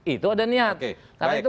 itu ada niat karena itu